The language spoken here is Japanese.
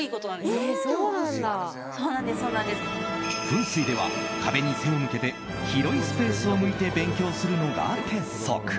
風水では壁に背を向けて広いスペースを向いて勉強するのが鉄則。